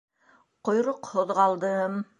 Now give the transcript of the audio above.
Ҡойроҡһоҙ ҡалдым!